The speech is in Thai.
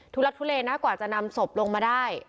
ทุลักษณ์ทุเลน่ากว่าจะนำศพลงมาได้